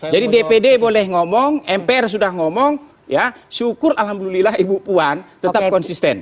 jadi dpd boleh ngomong mpr sudah ngomong ya syukur alhamdulillah ibu puan tetap konsisten